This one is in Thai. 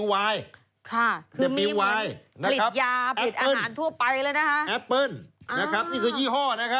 ค่ะคือมีผลิตยาผลิตอาหารทั่วไปเลยนะฮะ